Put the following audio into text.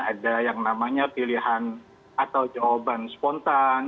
ada yang namanya pilihan atau jawaban spontan